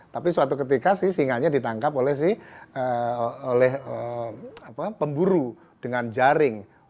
tapi suatu ketika singanya ditangkap oleh pemburu dengan jaring